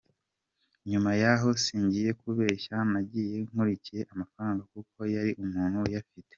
Nyuma yaho, singiye kubeshya nagiye nkurikiye amafaranga kuko yari umuntu uyafite.